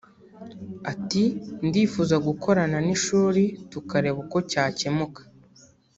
Ati “Ndifuza gukorana n’ishuri tukareba uko cyakemuka